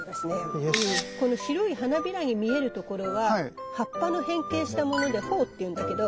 この白い花びらに見えるところは葉っぱの変形したもので苞っていうんだけど。